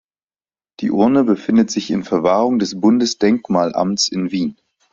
Die Urne befindet sich in Verwahrung des Bundesdenkmalamtes in Wien.